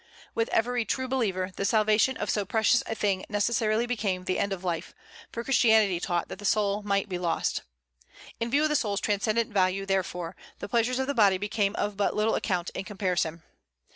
With every true believer, the salvation of so precious a thing necessarily became the end of life, for Christianity taught that the soul might be lost. In view of the soul's transcendent value, therefore, the pleasures of the body became of but little account in comparison.